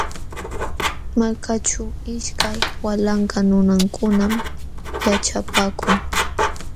Malkaaćhu ishkay walanka nunakunam yaćhapaakun.